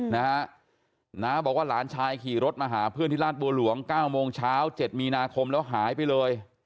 น้าบอกว่าหลานชายขี่รถมาหาเพื่อนที่ราชบัวหลวง๙โมงเช้า๗มีนาคมแล้วหายไปเลย